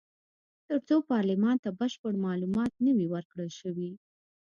تر څو پارلمان ته بشپړ معلومات نه وي ورکړل شوي.